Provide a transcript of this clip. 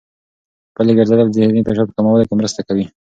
پلي ګرځېدل د ذهني فشار په کمولو کې مرسته کوي.